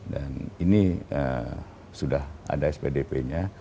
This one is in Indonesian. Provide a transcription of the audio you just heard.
dan ini sudah ada spdp nya